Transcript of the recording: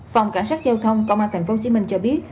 phòng cảnh sát giao thông công an tp hcm cho biết